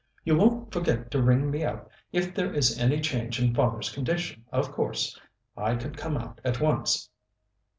You won't forget to ring me up if there is any change in father's condition, of course. I could come out at once.